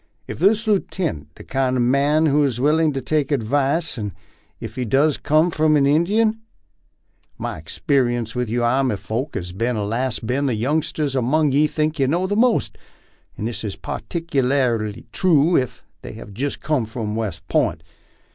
Is this lootenint the kind of a man who is willin' to take advice, even ef it does cum from an Injun ? My experience with you army folks has allus bin that the youngsters among ye think they know the most, and this is particularly true ef they hev just cum from West P'int.